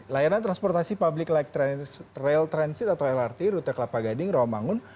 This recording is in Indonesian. layanan transportasi publik light rail transit atau lrt rute kelapa gading rawamangun